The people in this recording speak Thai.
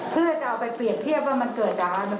เพื่อจะเอาไปเปรียบเทียบว่ามันเกิดจากอะไร